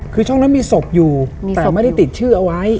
คือช่องนั้นมีศพอยู่มีศพอยู่แต่ไม่ได้ติดชื่อเอาไว้ใช่ค่ะ